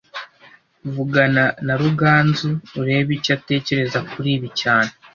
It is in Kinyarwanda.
Vugana na Ruganzu urebe icyo atekereza kuri ibi cyane